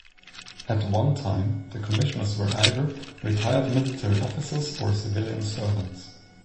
At one time, the commissioners were either retired military officers or civil servants.